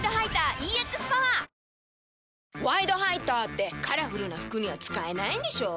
「ワイドハイター」ってカラフルな服には使えないんでしょ？